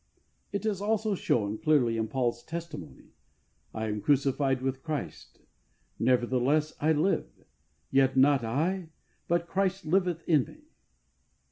It is also shown clearly in Paul's testimony, "I am crucified with Christ, nevertheless I live, yet not I, but Christ liveth in me."